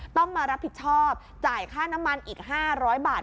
ต้องมารับผิดชอบจ่ายค่าน้ำมันอีก๕๐๐บาท